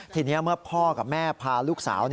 ทีนี้เมื่อพ่อกับแม่พาลูกสาว